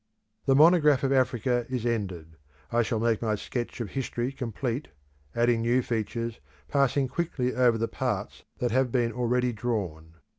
The monograph of Africa is ended. I shall make my sketch of history complete, adding new features, passing quickly over the parts that have been already drawn.